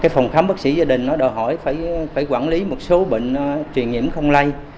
phòng khám bác sĩ gia đình đòi hỏi phải quản lý một số bệnh truyền nhiễm không lây